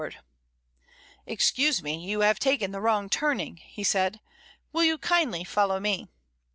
DYMOND. "Excuse me, you have taken the wrong turning," he said; "will you kindly follow me?"